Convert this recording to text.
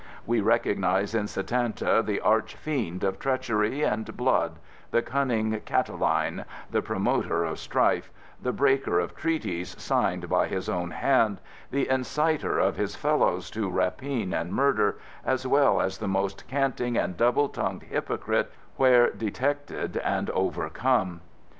We recognize in Satanta the arch fiend of treachery and blood, the cunning Cataline—the promoter of strife—the breaker of treaties signed by his own hand—the inciter of his fellows to rapine and murder, as well as the most canting and double tongued hypocrite where detected and overcome!